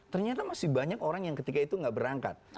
ternyata masih banyak orang yang ketika itu nggak berangkat